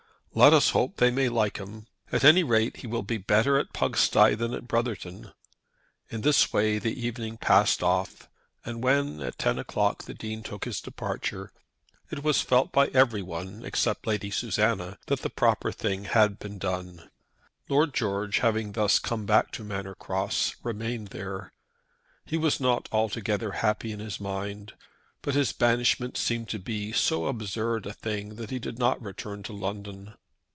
"Let us hope they may like him. At any rate, he will be better at Pugsty than at Brotherton." In this way the evening passed off; and when at ten o'clock the Dean took his departure, it was felt by every one except Lady Susanna that the proper thing had been done. Lord George, having thus come back to Manor Cross, remained there. He was not altogether happy in his mind; but his banishment seemed to be so absurd a thing that he did not return to London.